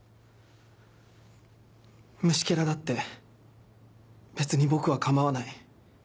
虫ケラだって別に僕は構わない。